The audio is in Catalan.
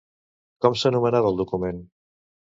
Com s'anomenava el document?